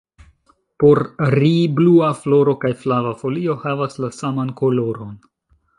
Por ri, blua floro kaj flava folio havas la saman koloron.